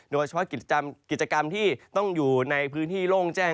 โดยเฉพาะกิจกรรมที่ต้องอยู่ในพื้นที่โล่งแจ้ง